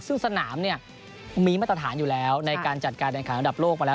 ซึ่งสนามเนี่ยมีมาตรฐานอยู่แล้วในการจัดการแข่งขันระดับโลกมาแล้ว